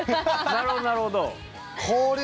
なるほどなるほど。